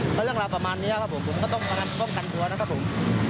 เมื่อเรื่องราวประมาณนี้ครับผมก็ต้องกันทัวร์นะครับผม